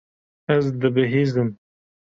Ez dibihîzim.